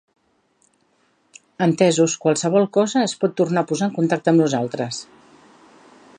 Entesos, qualsevol cosa es pot tornar a posar en contacte amb nosaltres.